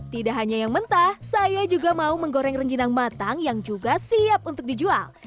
tidak hanya yang mentah saya juga mau menggoreng rengginang matang yang juga siap untuk dijual